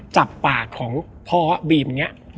จับปากของพอบีมเนี่ย